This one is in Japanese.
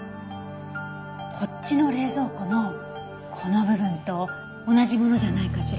こっちの冷蔵庫のこの部分と同じものじゃないかしら。